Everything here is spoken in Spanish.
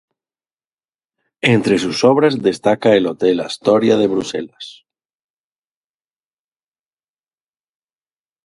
Entre sus obras destaca el Hotel Astoria de Bruselas.